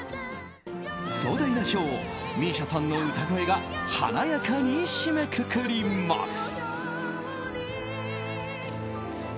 壮大なショーをＭＩＳＩＡさんの歌声が華やかに締めくくります。